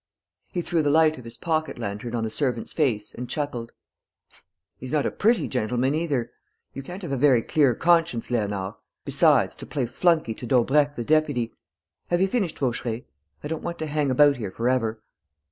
He threw the light of his pocket lantern on the servant's face and chuckled: "He's not a pretty gentleman either.... You can't have a very clear conscience, Léonard; besides, to play flunkey to Daubrecq the deputy...! Have you finished, Vaucheray? I don't want to hang about here for ever!"